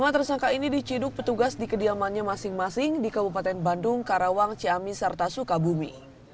lima tersangka ini diciduk petugas di kediamannya masing masing di kabupaten bandung karawang ciamis serta sukabumi